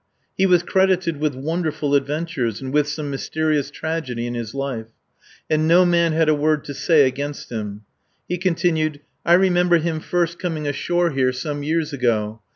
He was credited with wonderful adventures and with some mysterious tragedy in his life. And no man had a word to say against him. He continued: "I remember him first coming ashore here some years ago.